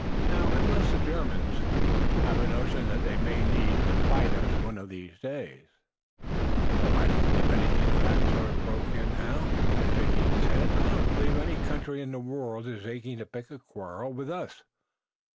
Now, unless the Germans have a notion that they may need, to fight us one of these days " "Oh, I don't believe anything of that sort," broke in Hal, shaking his head. "I don't believe any country in the world is aching to pick a quarrel with us."